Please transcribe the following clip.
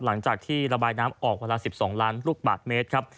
หลังจากที่ระบายน้ำออกวันละ๑๒ล้านลูกบาทเมตรครับ